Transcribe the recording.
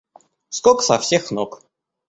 Скок со всех ног.